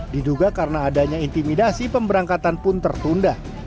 diduga karena adanya intimidasi pemberangkatan pun tertunda